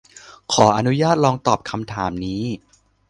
ขออนุญาตลองตอบคำถามนี้